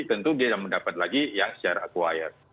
tentu dia mendapat lagi yang secara acquire